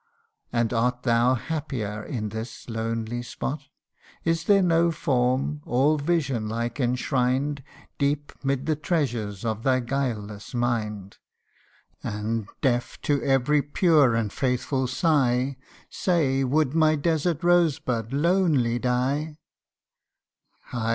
And art thou happier in this lonely spot ? 106 THE UNDYING ONE. Is there no form, all vision like enshrined Deep 'mid the treasures of thy guileless mind ? And, deaf to every pure and faithful sigh, Say, would my desert rose bud lonely die?'